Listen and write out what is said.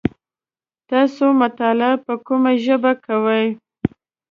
تاسو مطالعه په کومه ژبه کوی ؟